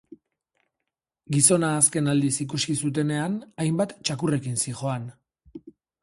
Gizona azken aldiz ikusi zutenean hainbat txakurrekin zihoan.